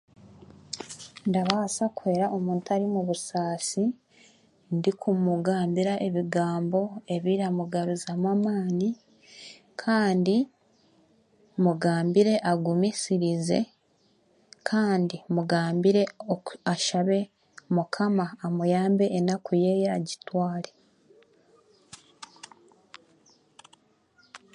Ndabaasa kuhwera omuntu ari mu busaasi ndikumugambira ebigambo ebiramugaruzamu amaani kandi mugambire agumisirize kandi mugambire oku ashabe mukama amuyambe enaku yeeye agitware.